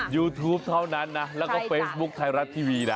ยูทูปเท่านั้นนะแล้วก็เฟซบุ๊คไทยรัฐทีวีนะ